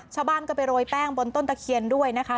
ชาวบ้านก็ไปโรยแป้งบนต้นตะเคียนด้วยนะคะ